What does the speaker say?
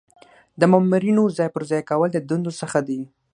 د مامورینو ځای پر ځای کول د دندو څخه دي.